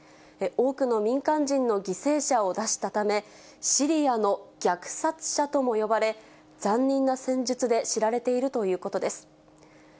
多くの民間人の犠牲者を出したため、シリアの虐殺者とも呼ばれ、残忍な戦術で知られているということです。